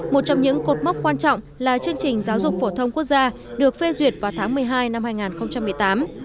một trong những cột mốc quan trọng là chương trình giáo dục phổ thông quốc gia được phê duyệt vào tháng một mươi hai năm hai nghìn một mươi tám